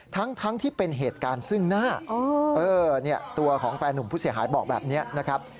ทั้งที่เป็นเหตุการณ์ซึ่งหน้าตัวของแฟนหนุ่มผู้เสียหายบอกแบบนี้นะครับ